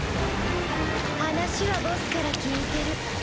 話はボスから聞いてる。